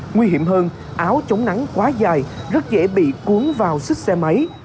nguy hiểm hơn áo chống nắng quá dài rất dễ bị cuốn vào xích xe máy